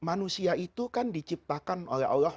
manusia itu kan diciptakan oleh allah